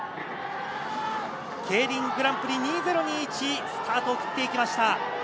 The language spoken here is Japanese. ＫＥＩＲＩＮグランプリ２０２１、スタートを切ってきました。